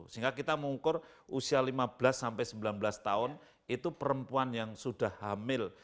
sehingga kita mengukur usia lima belas sampai sembilan belas tahun itu perempuan yang sudah hamil